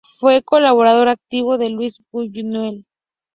Fue colaborador activo de Luis Buñuel.